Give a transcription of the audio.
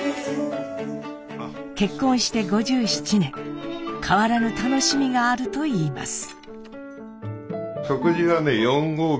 結婚して５７年変わらぬ楽しみがあるといいます。